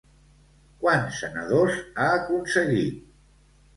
Quants senadors ha aconseguit?